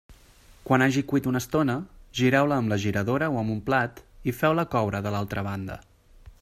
Quan hagi cuit una estona, gireu-la amb la giradora o amb un plat, i feu-la coure de l'altra banda.